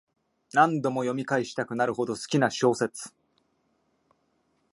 何度も読み返したくなるほど好きな小説